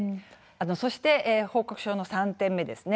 そして、報告書の３点目です。